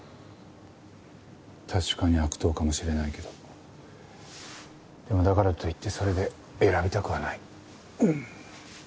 確かに悪党かもしれないけどでもだからといってそれで選びたくはない。